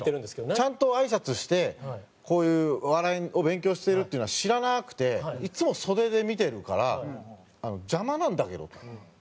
ちゃんとあいさつしてこういうお笑いを勉強してるっていうのは知らなくていつも袖で見てるから「邪魔なんだけど」と。